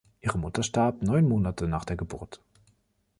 Ihre Mutter starb neun Monate nach der Geburt.